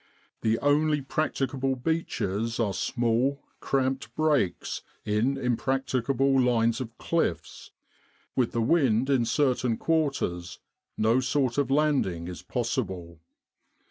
The only practicable beaches are small, cramped breaks in impracticable lines of cliffs with the wind in certain quarters no sort of landing is possible.